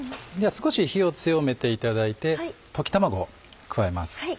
少し火を強めていただいて溶き卵を加えます。